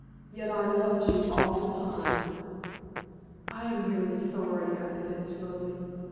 Yet I loved you all the time." "I am very sorry," I said, slowly.